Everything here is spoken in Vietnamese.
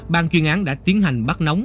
bang chuyên án đã tiến hành bắt nóng